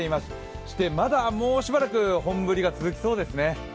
そしてもうしばらく本降りが続きそうですね。